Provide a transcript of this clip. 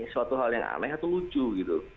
suatu hal yang aneh atau lucu gitu